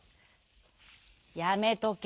「やめとけ。